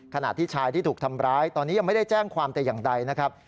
ขณะที่ชายที่ถูกทำร้ายตอนนี้ยังไม่ได้แจ้งความแต่อย่างใดนะครับ